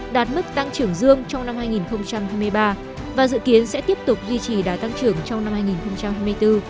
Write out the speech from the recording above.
đạt mức tăng trưởng dương trong năm hai nghìn hai mươi ba và dự kiến sẽ tiếp tục duy trì đà tăng trưởng trong năm hai nghìn hai mươi bốn